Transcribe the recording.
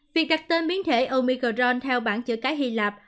việc đặt tên biến thể omicron theo bản chữ cái hy lạp